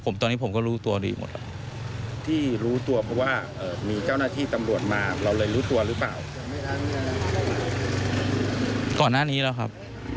ก่อนหน้านี้แหละครับ